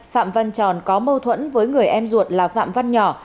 phạm văn tròn có mâu thuẫn với người em ruột là phạm văn nhỏ